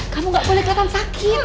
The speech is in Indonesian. kamu gak boleh kelihatan sakit